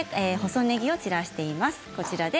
細ねぎを散らしています。